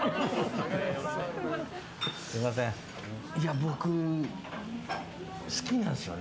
僕、好きなんですよね